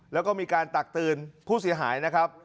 แล้วก็มีการตักเตือนผู้เสียหายนะครับ